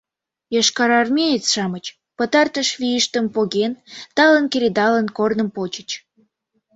Йошкарармеец-шамыч, пытартыш вийыштым поген, талын кредалын, корным почыч.